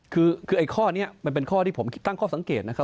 คือไอ้ข้อนี้มันเป็นข้อที่ผมคิดตั้งข้อสังเกตนะครับ